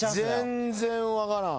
全然分からん。